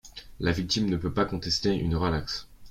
La victime ne peut pas contester une relaxe.